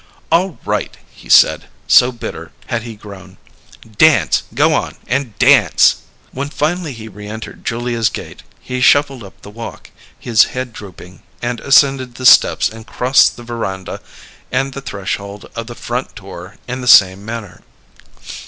"All right!" he said, so bitter had he grown. "Dance! Go on and dance!" ... When finally he reëntered Julia's gate, he shuffled up the walk, his head drooping, and ascended the steps and crossed the veranda and the threshold of the front door in the same manner.